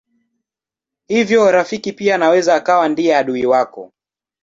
Hivyo rafiki pia anaweza akawa ndiye adui wako.